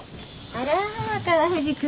あら川藤君